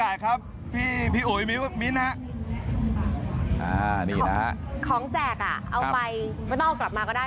เอาไปไม่ต้องเอากลับมาก็ได้